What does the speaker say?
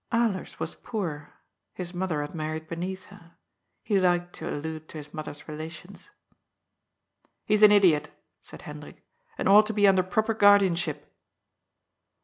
Alers was poor. His mother had married beneath her. He liked to allude to his mother's relations. " He is an idiot," said Hendrik, " and ought to be under proper guardianship."